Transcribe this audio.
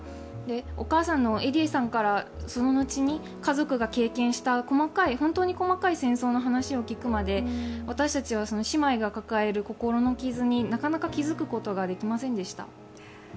お母さんのエディエさんから、その後に家族が経験した、本当に細かい戦争の話を聞くまで私たちは、姉妹が抱える心の傷になかなか気づくことができませんでした。